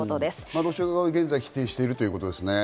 今はロシア側が否定しているということですね。